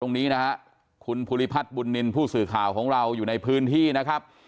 ตรงนี้นะฮะคุณภูริพัฒน์บุญนินทร์ผู้สื่อข่าวของเราอยู่ในพื้นที่นะครับ